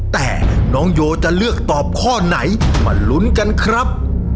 แต่น้องโยจะเลือกตอบข้อไหนมาลุ้นกันครับ